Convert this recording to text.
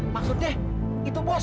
maksudnya itu bos